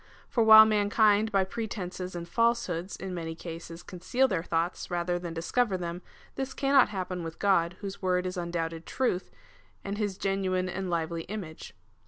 For while mankind by pretences and falsehoods in many cases conceal their thoughts rather than discover them, this cannot happen with God, whose word is undoubted truth, and his genuine and lively image.